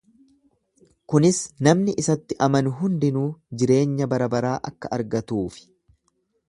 Kunis namni isatti amanu hundinuu jireenya barabaraa akka argatuufi.